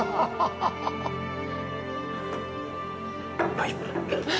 はい。